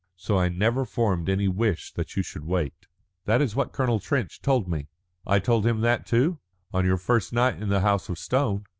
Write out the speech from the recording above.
So I never formed any wish that you should wait." "That was what Colonel Trench told me." "I told him that too?" "On your first night in the House of Stone."